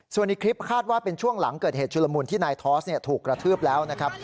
ส่วนอีกคลิปคาดว่าเป็นช่วงหลังเกิดเหตุชุลมุนที่นายทอสถูกกระทืบแล้วนะครับ